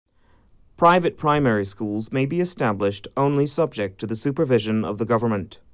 Private primary schools may be established only subject to the supervision of the Government.